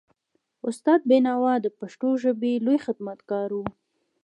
استاد بینوا د پښتو ژبې لوی خدمتګار و.